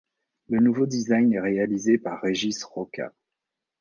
Le nouveau design est réalisé par Régis Rocca.